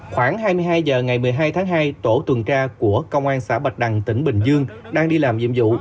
khoảng hai mươi hai h ngày một mươi hai tháng hai tổ tuần tra của công an xã bạch đằng tỉnh bình dương đang đi làm nhiệm vụ